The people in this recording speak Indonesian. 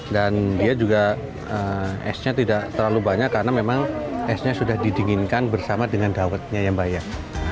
dan dia juga esnya tidak terlalu banyak karena memang esnya sudah didinginkan bersama dengan dawetnya yang bayar